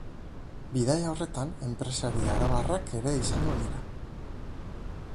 Bidaia horretan, enpresari arabarrak ere izango dira.